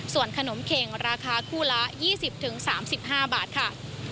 ส่วนขนมเข็งราคาคู่ละ๒๐๓๕บาทค่ะ